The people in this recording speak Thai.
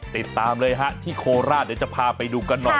ติดตามเลยฮะที่โคราชเดี๋ยวจะพาไปดูกันหน่อย